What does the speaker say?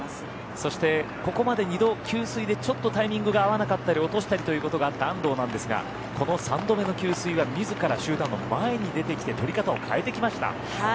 そして、ここまで二度給水でタイミングが合わなかったり落としたりということがあった安藤なんですがこの三度目の給水は自ら集団の前に出てきて取り方を変えてきました。